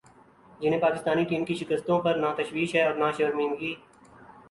جنہیں پاکستانی ٹیم کی شکستوں پر نہ تشویش ہے اور نہ شرمندگی ۔